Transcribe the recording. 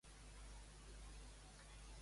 En quins concursos ha estat tribunal?